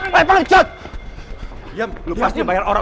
saya gak mau masuk penjara pak